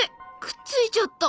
くっついちゃった。